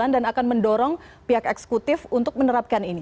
dan akan mendorong pihak eksekutif untuk menerapkan ini